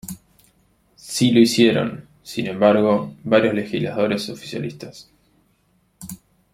Sí lo hicieron, sin embargo, varios legisladores oficialistas.